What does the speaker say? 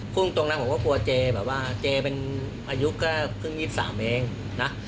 พูดตรงนะผมก็กลัวเจแบบว่าเจเป็นอายุก็เพิ่ง๒๓เองนะ